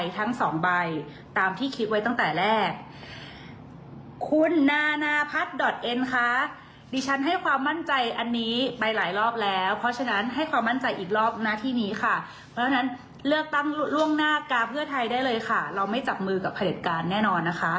ต้องน่ากราบเพื่อไทยได้เลยค่ะเราไม่จับมือกับผลิตการแน่นอนนะคะ